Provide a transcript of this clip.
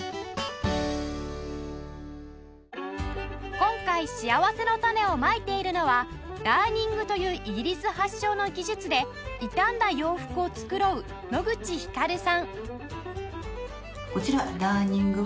今回しあわせのたねをまいているのはダーニングというイギリス発祥の技術で傷んだ洋服を繕う野口光さん